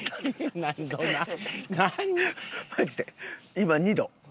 今２度。